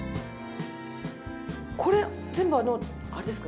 これ全部あれですか？